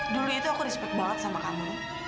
dulu itu aku respect banget sama kamu